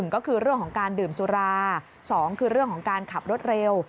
ก็คือเรื่องของการดื่มสุรา๒คือเรื่องของการขับรถเร็ว